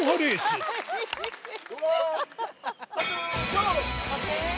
・ゴー！